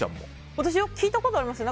私、聞いたことありますよ。